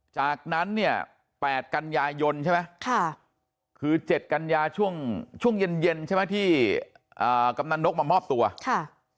จากนั้นเนี่ย๘กันยายนใช่ไหมค่ะคือเจ็ดกันยาช่วงช่วงเย็นเย็นใช่ไหมที่กำนันนกมามอบตัวค่ะ